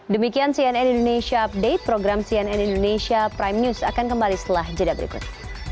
demikian cnn indonesia update program cnn indonesia prime news akan kembali setelah jeda berikut